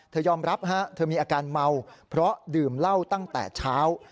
ยอมรับเธอมีอาการเมาเพราะดื่มเหล้าตั้งแต่เช้า